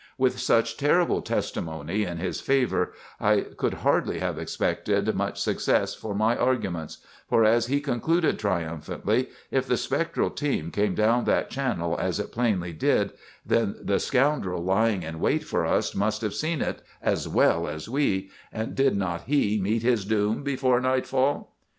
"With such terrible testimony in his favor I could hardly have expected much success for my arguments; for, as he concluded triumphantly, 'if the spectral team came down that channel, as it plainly did, then the scoundrel lying in wait for us must have seen it, as well as we—and did not he meet his doom before nightfall?